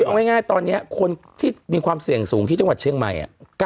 เอาง่ายตอนนี้คนที่มีความเสี่ยงสูงที่จังหวัดเชียงใหม่